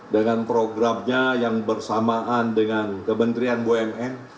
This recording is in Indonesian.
dengan programnya yang bersamaan dengan kementerian bumn